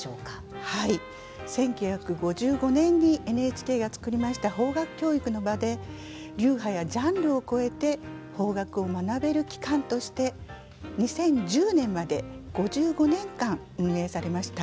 １９５５年にＮＨＫが作りました邦楽教育の場で流派やジャンルを超えて邦楽を学べる機関として２０１０年まで５５年間運営されました。